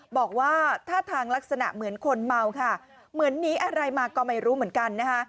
บอกว่าท่าทางลักษณะเหมือนคนเมาค่ะเหมือนหนีอะไรมาก็ไม่รู้เหมือนกันนะคะ